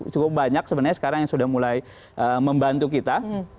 cukup banyak sebenarnya sekarang yang sudah mulai membantu kita